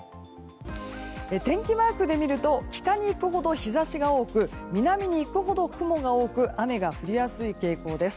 天気マークで見ると北に行くほど日差しが多く南に行くほど雲が多く雨が降りやすい傾向です。